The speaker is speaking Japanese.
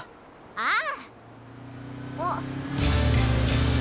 ああ？